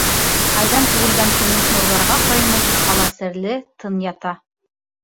Айҙан түгелгән көмөш нурҙарға ҡойоноп, ҡала серле, тын ята.